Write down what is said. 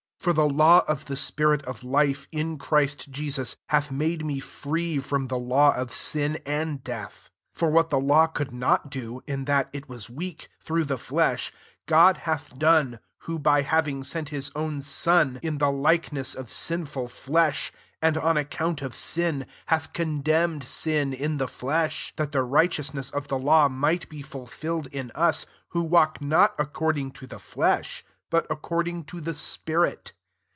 2 For the law of the spil of life, in Christ Jesus, hat made me free from the law J sin and death. 3 For what « law could not do, in that St ^ weak, through the flesh, GJ hath done, n^o, by having s«l his own Son in the lij^cnessf sinful flesh, and on account I sin, hath condemned sin in ik flesh : 4 that the righteousnd of the law might be fulfilled I us ; who walk not according 1 the flesh, but according to til spirit.